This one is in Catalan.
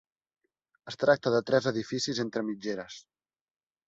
Es tracta de tres edificis entre mitgeres.